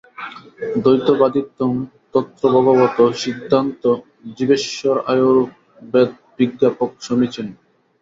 দ্বৈতবাদিত্বাৎ তত্রভগবত সিদ্ধান্তো জীবেশ্বরয়োর্ভেদবিজ্ঞাপক সমীচীনঃ।